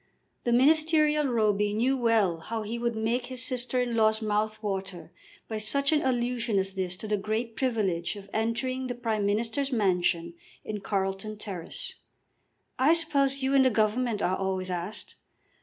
The ministerial Roby knew well how he would make his sister in law's mouth water by such an allusion as this to the great privilege of entering the Prime Minister's mansion in Carlton Terrace. "I suppose you in the Government are always asked."